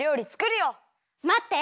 まって！